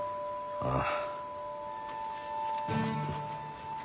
ああ。